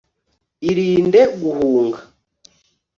irinde guhunga